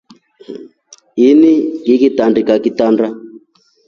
Ini ngilitandika kitanda.